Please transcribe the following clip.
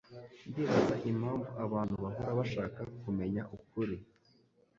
Ndibaza impamvu abantu bahora bashaka kumenya ukuri.